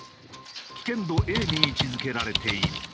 危険度Ａに位置付けられている。